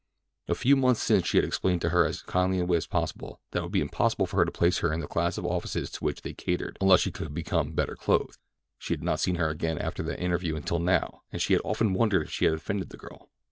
A few months since she had explained to her in as kindly a way as possible that it would be impossible for her to place her in the class of offices to which they catered unless she could come better clothed. She had not seen her again after that interview until now, and she had often wondered if she had offended the girl.